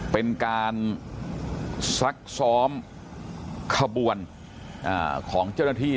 เป็นการซักซ้อมขบวนของเจ้าหน้าที่